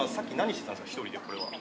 １人でこれは。